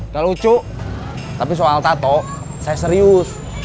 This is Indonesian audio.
kalau lucu tapi soal tato saya serius